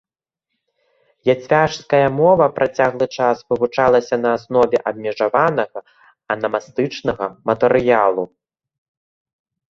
Яцвяжская мова працяглы час вывучалася на аснове абмежаванага анамастычнага матэрыялу.